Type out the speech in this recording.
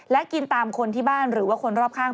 และกินตามคนที่บ้านหรือว่าคนรอบข้าง